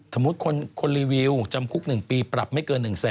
สมมุติคนรีวิวจำคุกหนึ่งปีปรับไม่เกินหนึ่งแสน